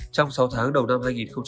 trong sáu tháng đầu năm hai nghìn hai mươi